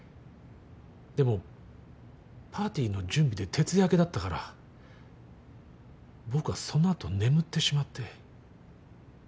でもパーティーの準備で徹夜明けだったから僕はその後眠ってしまって。